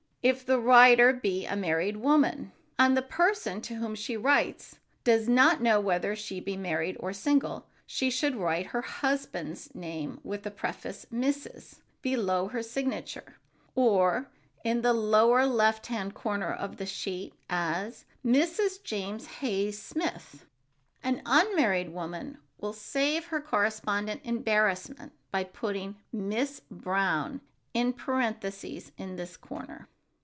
If the writer be a married woman, and the person to whom she writes does not know whether she be married or single, she should write her husband's name with the preface "Mrs." below her signature, or in the lower left hand corner of the sheet, as ("Mrs. James Hayes Smith"). An unmarried woman will save her correspondent embarrassment by putting "Miss Brown" in parentheses in this corner.